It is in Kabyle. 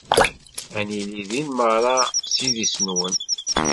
Ad nili din merra s idis-nwen.